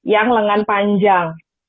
yang lengan panjang